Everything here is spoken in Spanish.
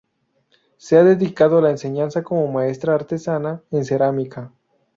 Se ha dedicado a la enseñanza como maestra artesana en cerámica.